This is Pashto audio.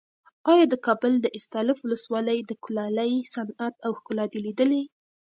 ایا د کابل د استالف ولسوالۍ د کلالۍ صنعت او ښکلا دې لیدلې؟